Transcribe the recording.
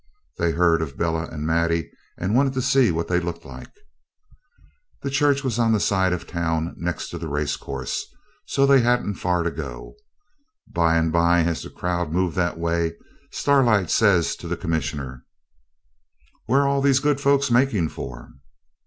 They'd heard of Bella and Maddie, and wanted to see what they looked like. The church was on the side of the town next the racecourse, so they hadn't far to go. By and by, as the crowd moved that way, Starlight says to the Commissioner 'Where are all these good folks making for?'